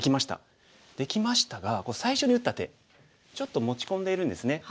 できましたが最初に打った手ちょっと持ち込んでいるんですね。